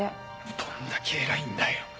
どんだけ偉いんだよ。